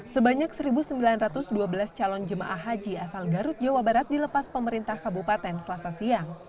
sebanyak satu sembilan ratus dua belas calon jemaah haji asal garut jawa barat dilepas pemerintah kabupaten selasa siang